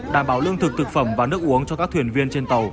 đảm bảo lương thực thực phẩm và nước uống cho các thuyền viên trên tàu